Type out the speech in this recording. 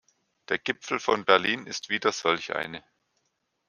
Der Gipfel von Berlin ist wieder solch eine.